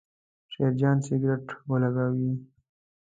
شیرجان سګرېټ ولګاوې.